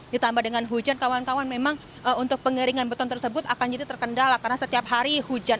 ditambah dengan hujan kawan kawan memang untuk pengeringan beton tersebut akan jadi terkendala karena setiap hari hujan